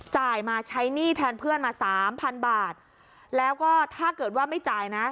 มาใช้หนี้แทนเพื่อนมาสามพันบาทแล้วก็ถ้าเกิดว่าไม่จ่ายนะ